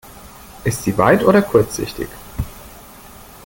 Ist sie weit- oder kurzsichtig?